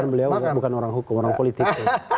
beliau bukan orang hukum orang politik